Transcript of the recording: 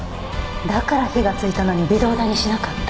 だから火がついたのに微動だにしなかった。